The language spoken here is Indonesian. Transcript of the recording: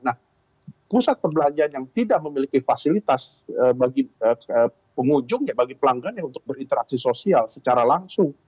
nah pusat perbelanjaan yang tidak memiliki fasilitas bagi pengunjung bagi pelanggannya untuk berinteraksi sosial secara langsung